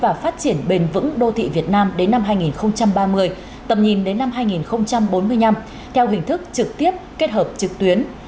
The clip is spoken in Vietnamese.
và phát triển bền vững đô thị việt nam đến năm hai nghìn ba mươi tầm nhìn đến năm hai nghìn bốn mươi năm theo hình thức trực tiếp kết hợp trực tuyến